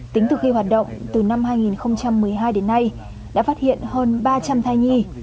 tính từ khi hoạt động từ năm hai nghìn một mươi hai đến nay đã phát hiện hơn ba trăm linh thai nhi